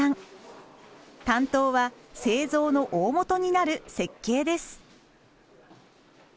担当は製造の大本になる設計です。